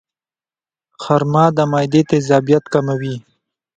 خرما د معدې تیزابیت کموي.